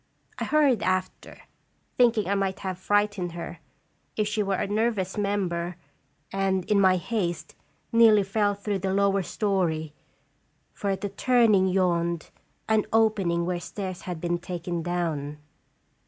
I hurried after, thinking I might have fright ened her, if she were a nervous member, and, in my haste, nearly fell through to the lower story, for at the turning yawned an opening where stairs had been taken down.